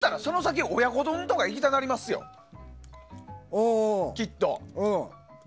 でも、その先親子丼とかいきたなりますよ、きっと。